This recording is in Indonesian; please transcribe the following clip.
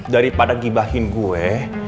daripada gibahin gue